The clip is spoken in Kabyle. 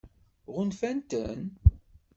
Ɣunfant-ten?